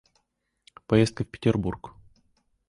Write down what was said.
Поездка в Петербург.